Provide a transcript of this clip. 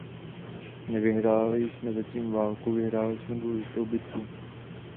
Nevyhráli jsme zatím válku, vyhráli jsme důležitou bitvu.